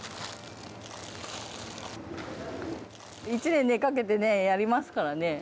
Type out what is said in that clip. １年かけてねやりますからね。